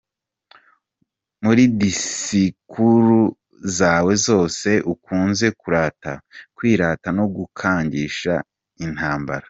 Muri disikuru zawe zose ukunze kurata, kwirata, no gukangisha intambara.